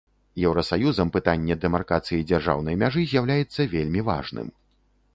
Еўрасаюзам пытанне дэмаркацыі дзяржаўнай мяжы з'яўляецца вельмі важным.